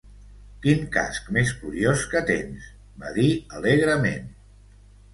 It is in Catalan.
Quin casc més curiós que tens!, va dir alegrement.